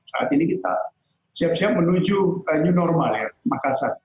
saat ini kita siap siap menuju new normal ya makassar